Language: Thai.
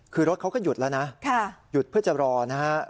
คือรถเขาก็หยุดแล้วนะหยุดเพื่อจะรอนะครับ